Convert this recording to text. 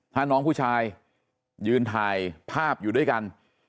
ถ้าน้องผู้ชายยืนถ่ายภาพอยู่ด้วยกัน